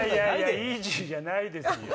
イージーじゃないですよ。